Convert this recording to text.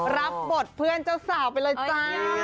รับบทเพื่อนเจ้าสาวไปเลยจ้า